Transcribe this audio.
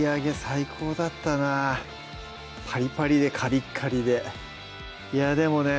最高だったなパリパリでカリカリでいやでもね